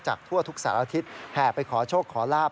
จากทั่วทุกศาลอาทิตย์แห่ไปขอโชคขอราบ